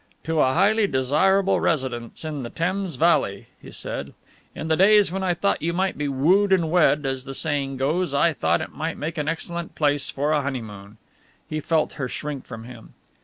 "To a highly desirable residence in the Thames Valley," he said, "in the days when I thought you might be wooed and wed, as the saying goes, I thought it might make an excellent place for a honeymoon." He felt her shrink from him.